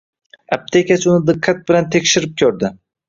Aptekachi uni diqqat bilan tekshirib ko`rdi